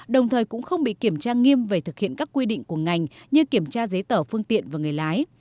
đồng thời cũng không bị kiểm tra nghiêm về thực hiện các quy định của ngành như kiểm tra giấy tở phương tiện và người lái